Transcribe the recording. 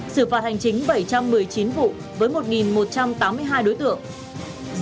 xử phạt hành chính bảy trăm một mươi chín vụ với một một trăm tám mươi hai đối tượng